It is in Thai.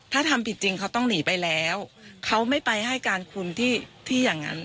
ถ้าทำผิดจริงเขาต้องหนีไปแล้วเขาไม่ไปให้การคุณที่อย่างนั้น